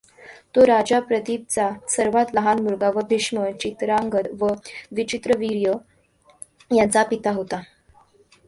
तो राजा प्रतीपचा सर्वात लहान मुलगा व भीष्म, चित्रांगद व विचित्रवीर्य यांचा पिता होता.